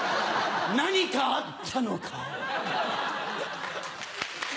何かあったのか？